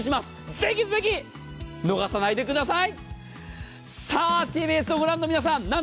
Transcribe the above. ぜひぜひ逃さないでください。